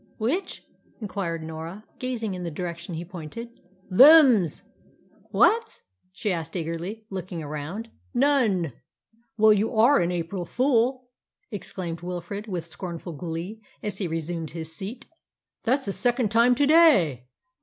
"Which's?" inquired Norah, gazing in the direction he pointed. "Them's." "What's?" she asked eagerly, looking around. "None! Well, you are an April fool!" exclaimed Wilfrid with scornful glee as he resumed his seat; "that's the second time to day!"